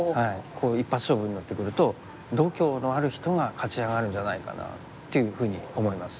こういう一発勝負になってくると度胸のある人が勝ち上がるんじゃないかなっていうふうに思います。